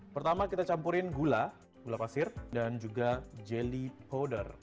pertama kita campurin gula gula pasir dan juga jelly powder